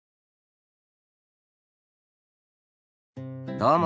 どうも。